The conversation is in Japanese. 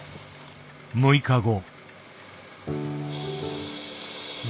６日後。